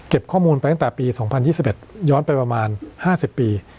เก็บข้อมูลไปตั้งแต่ปีสองพันยี่สิบเอ็ดย้อนไปประมาณห้าสิบปี